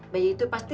bayi itu pasti